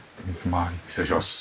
失礼します。